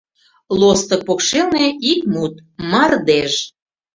Лостык покшелне — ик мут: «Мардеж».